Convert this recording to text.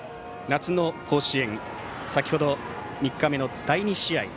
夏の甲子園先程、３日目の第２試合